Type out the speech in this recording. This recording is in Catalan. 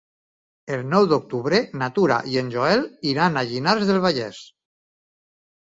El nou d'octubre na Tura i en Joel iran a Llinars del Vallès.